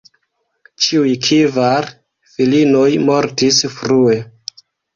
Ĉiuj kvar filinoj mortis frue.